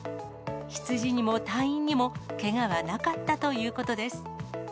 羊にも隊員にも、けがはなかったということです。